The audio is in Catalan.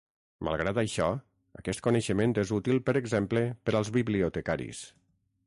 Malgrat això, aquest coneixement és útil per exemple per als bibliotecaris.